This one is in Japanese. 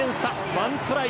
１トライ